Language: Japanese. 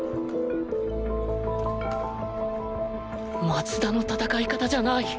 松田の戦い方じゃない。